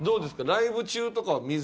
ライブ中とかは水。